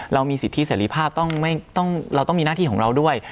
เรามีสิทธิเสรีภาพเราต้องมีหน้าที่ของเราด้วย